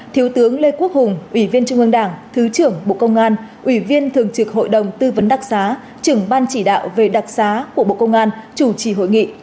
thiếu tướng lê quốc hùng ủy viên trung ương đảng thứ trưởng bộ công an ủy viên thường trực hội đồng tư vấn đặc xá trưởng ban chỉ đạo về đặc xá của bộ công an chủ trì hội nghị